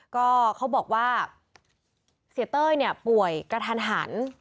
ก็เขาบอกว่าเสียเต้ยเนี่ยป่วยกระทันหัน